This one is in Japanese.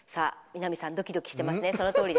南さん、ドキドキしてますね。